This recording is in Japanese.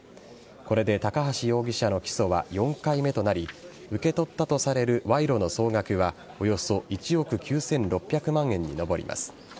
これで高橋容疑者の起訴は４回目となり受け取ったとされる賄賂の総額はおよそ１億９６００万円に上ります。